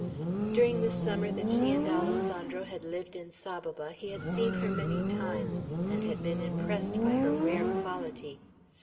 During the summer that she and Alessandro had lived in Saboba he had seen her many times, and had been impressed by her rare quality.